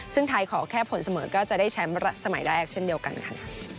ซึ่งไทยขอแค่ผลเสมอก็จะได้แชมป์สมัยแรกเช่นเดียวกันค่ะ